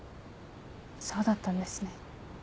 そうだったんですね。